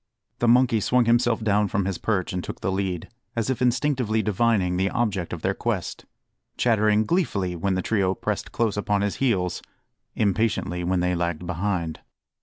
The monkey swung himself down from his perch and took the lead, as if instinctively divining the object of their quest; chattering gleefully when the trio pressed close upon his heels impatiently when they lagged behind.